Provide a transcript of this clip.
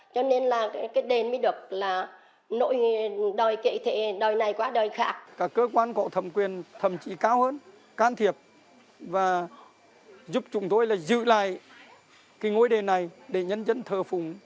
các cơ quan cổ thẩm quyền thẩm trí cao hơn can thiệp và giúp chúng tôi là giữ lại cái ngôi đền này để nhân dân thờ phùng